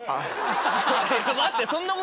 待って。